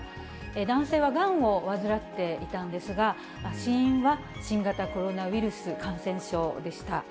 男性はがんを患っていたんですが、死因は新型コロナウイルス感染症でした。